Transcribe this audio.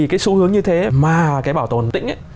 cái xu hướng như thế mà cái bảo tồn tĩnh ấy